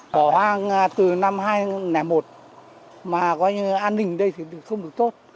bỏ hoang từ năm hai nghìn một mà coi như an ninh đây thì không được tốt